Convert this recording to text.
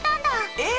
えっ！